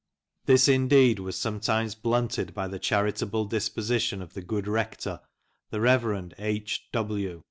This, indeed, was sometimes blunted by the charitable disposition of the good rector, the Rev. H n W n.